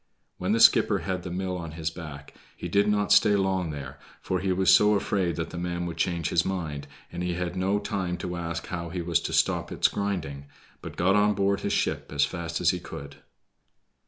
When the skipper had the mill on his back he did not long stay there, for he was so afraid that the man would change his mind, and he had no time to ask how he was to stop its grinding, but got on board his ship as fast as he could.